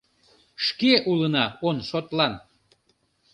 Шке улына он шотлан!»